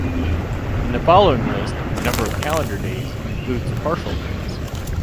In the following list the number of calendar days includes partial days.